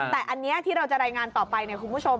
แต่อันนี้ที่เราจะรายงานต่อไปเนี่ยคุณผู้ชม